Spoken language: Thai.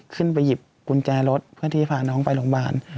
ขึ้นไปหยิบกุญแจรถเพื่อที่พาน้องไปโรงพยาบาล